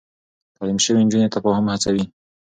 تعليم شوې نجونې تفاهم هڅوي.